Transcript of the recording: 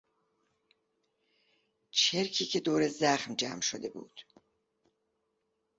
چرکی که دور زخم جمع شده بود.